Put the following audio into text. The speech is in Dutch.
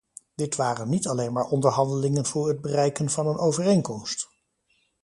Dit waren niet alleen maar onderhandelingen voor het bereiken van een overeenkomst.